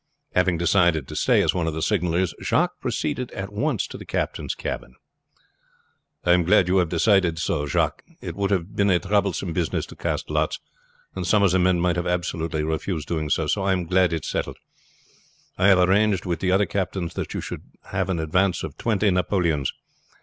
Having decided to stay as one of the signallers, Jacques proceeded at once to the captain's cabin. "I am glad you have decided so, Jacques. It would have been a troublesome business to cast lots, and some of the men might have absolutely refused doing so; so I am glad it's settled. I have arranged with the other captains that you shall have an advance of twenty napoleons.